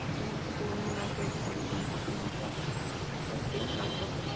Él desciende de un linaje de instrumentistas de la corte.